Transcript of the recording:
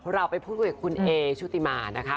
เราไปพูดคุยกับคุณเอชุติมานะคะ